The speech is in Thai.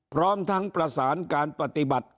พร้อมทั้งประสานการปฏิบัติ